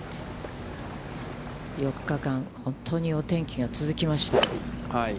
４日間、本当にお天気が続きました。